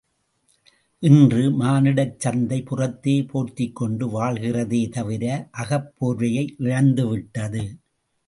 இன்று, மானிடச் சந்தை புறத்தே போர்த்திக்கொண்டு வாழ்கிறதே தவிர, அகப்போர்வையை இழந்துவிட்டது.